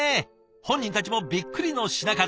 本人たちもびっくりの品数。